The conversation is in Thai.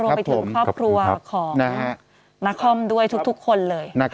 รวมไปถึงครอบครัวของนครด้วยทุกคนเลย